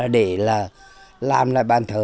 để là làm lại bàn thờ